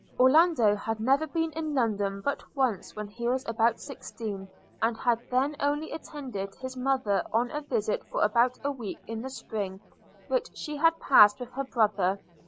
Orlando had never been in London but once when he was about sixteen, and had then only attended his mother on a visit for about a week in the spring, which she had passed with her brother.